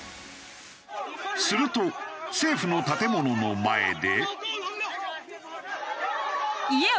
すると政府の建物の前で。